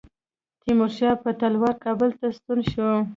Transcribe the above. تیمورشاه په تلوار کابل ته ستون شو.